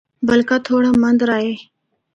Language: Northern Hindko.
بلکہ تھوڑا مَندرہ اے۔